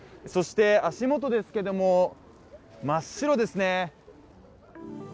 そして足元ですけども、真っ白ですね。